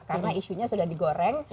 karena isunya sudah digoreng